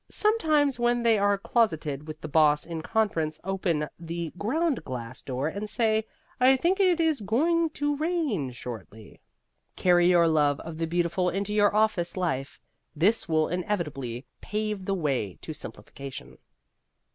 Sometimes, when they are closeted with the Boss in conference, open the ground glass door and say, "I think it is going to rain shortly." Carry your love of the beautiful into your office life. This will inevitably pave the way to simplification.